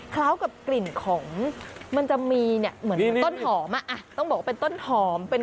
กับกลิ่นของมันจะมีเนี่ยเหมือนต้นหอมอ่ะต้องบอกว่าเป็นต้นหอมเป็น